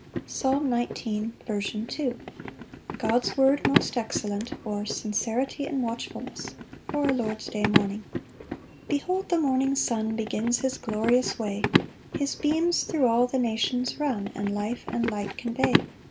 ] Psalm 19:2. Second Part. S. M. God's word most excellent; or, Sincerity and watchfulness. For a Lord's day morning. 1 Behold the morning sun Begins his glorious way; His beams thro' all the nations run, And life and light convey.